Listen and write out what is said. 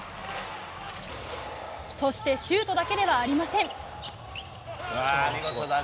そしてシュートだけではありません。